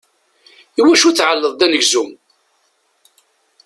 I wacu tεelleḍt anezgum?